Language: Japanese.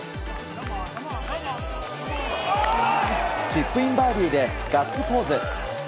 チップインバーディーでガッツポーズ。